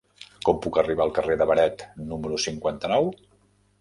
Com puc arribar al carrer de Beret número cinquanta-nou?